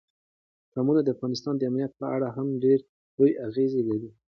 قومونه د افغانستان د امنیت په اړه هم ډېر لوی اغېز لري.